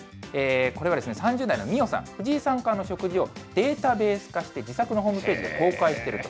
これは３０代の美桜さん、藤井三冠の食事をデータベース化して、自作のホームページで公開している。